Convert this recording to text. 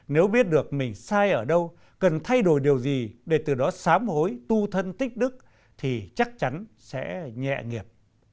nếu biết được mình sai ở đâu cần thay đổi điều gì để từ đó sám hối tu thân tích đức thì chắc chắn sẽ nhẹ nghiệp